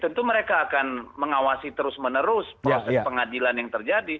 tentu mereka akan mengawasi terus menerus proses pengadilan yang terjadi